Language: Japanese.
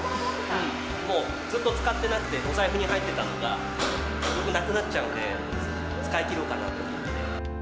もうずっと使ってなくて、お財布に入ってたのが、なくなっちゃうんで、使い切ろうかなと思って。